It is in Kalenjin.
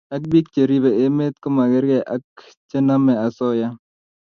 ak pik cheripei emet komakerkei ak chenamei osoya